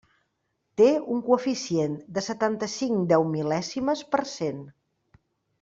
Té un coeficient de setanta-cinc deumil·lèsimes per cent.